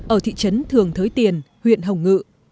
ở thị trấn thường thới tiền huyện hồng ngự